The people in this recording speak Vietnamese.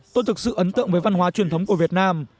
tôi thực sự ấn tượng với văn hóa truyền thống của việt nam